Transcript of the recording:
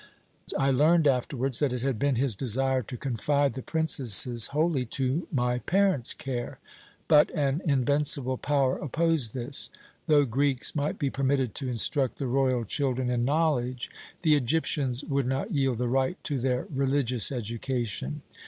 "I learned afterwards that it had been his desire to confide the princesses wholly to my parents' care. But an invincible power opposed this. Though Greeks might be permitted to instruct the royal children in knowledge, the Egyptians would not yield the right to their religious education.